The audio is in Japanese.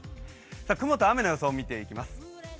雲と雨の予想を見ていきます。